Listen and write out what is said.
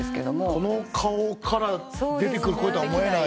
この顔から出てくる声とは思えない。